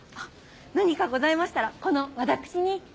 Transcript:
何かございましたらこの私に。